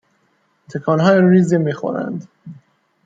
تکانهای ریزی میخورند